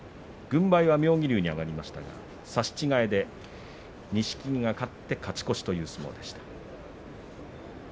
軍配は妙義龍に上がりましたが差し違えで錦木が勝って勝ち越しという相撲でした。